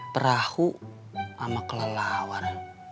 perahu sama kelelawar